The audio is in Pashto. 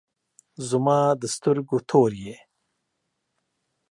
زما د سترګو تور یی